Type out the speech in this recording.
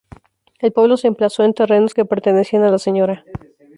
El pueblo se emplazó en terrenos que pertenecían a la Sra.